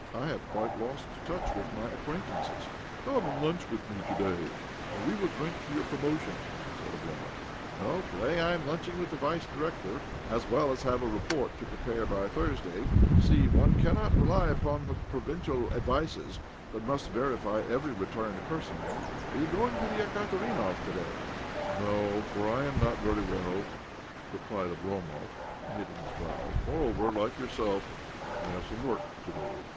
I have quite lost touch with my acquaintances." " Come and lunch with me to day, and we will drink to your promotion," said Oblomov. " No, to day I am lunching with the Vice Director, as well as have a report to pre pare by Thursday. You see, one cannot rely upon provincial advices, but must OBLOMOV 31 verify every return personally. Are you going to the Ekaterinbov to day ?"" No, for I am not very well," replied Oblomov, knitting his browis ." Moreover, like yourself, I have some work to do."